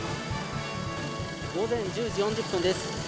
午前１０時４０分です。